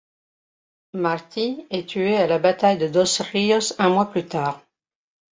Martí est tué à la bataille de Dos Rios un mois plus tard.